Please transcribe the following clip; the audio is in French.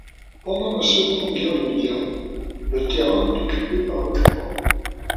Pendant la Seconde Guerre mondiale, le terrain est utilisé par l'occupant.